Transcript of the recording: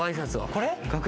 これ。